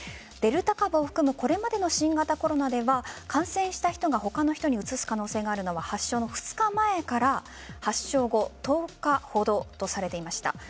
デルタ株を含むこれまでの新型コロナでは感染した人が他の人にうつす可能性があるのは発症の２日前から発症後１０日ほどとされていました。